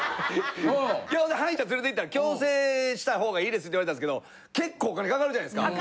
ほんで歯医者連れて行ったら矯正したほうがいいですって言われたんですけど結構お金かかるじゃないですか。